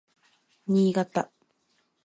新潟